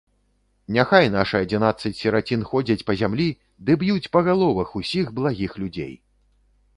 Няхай нашы адзінаццаць сірацін ходзяць па зямлі ды б'юць па галовах усіх благіх людзей!